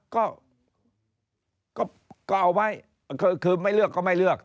ก็เอาไว้คือไม่เลือกก็ไม่เลือก